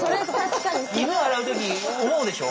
犬洗う時思うでしょ？